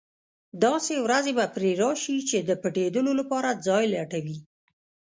داسې ورځې به پرې راشي چې د پټېدلو لپاره ځای لټوي.